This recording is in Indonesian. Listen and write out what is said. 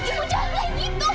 ibu jangan lagi itu